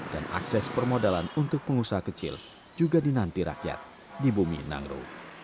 dan akses permodalan untuk pengusaha kecil juga dinanti rakyat di bumi nangro